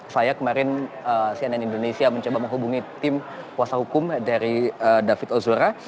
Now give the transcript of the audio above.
saya kemarin cnn indonesia mencoba menghubungi tim kuasa hukum dari david ozora